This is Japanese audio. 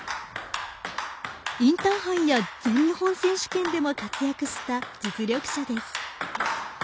インターハイや全日本選手権でも活躍した実力者です。